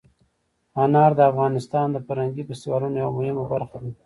انار د افغانستان د فرهنګي فستیوالونو یوه مهمه برخه ده.